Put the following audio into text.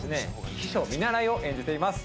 秘書見習いを演じています。